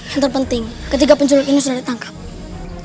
yang terpenting ketiga penculuk ini sudah ditangkap